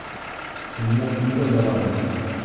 Унда кемгә барабыҙ?